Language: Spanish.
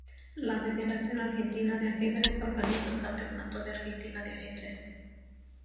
La Federación Argentina de Ajedrez organiza un Campeonato de Argentina de ajedrez.